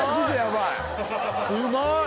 うまい！